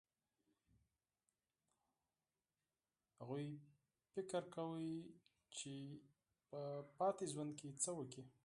هغوی فکر کاوه چې په پاتې ژوند کې څه وکړي